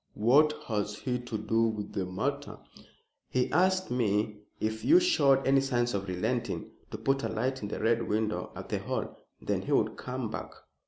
"What has he to do with the matter?" "He asked me, if you showed any signs of relenting, to put a light in the Red Window at the Hall. Then he would come back."